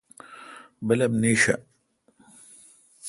بلب نیݭہ